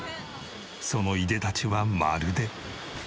そのいでたちはまるで。